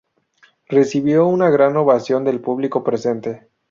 Recibió una gran ovación del público presente.